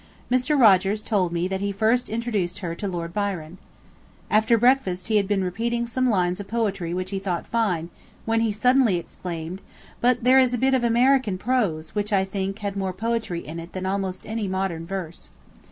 Mr. Rogers told me that he first introduced her to Lord Byron. After breakfast he had been repeating some lines of poetry which he thought fine, when he suddenly exclaimed: "But there is a bit of American prose, which, I think, had more poetry in it than almost any modern verse."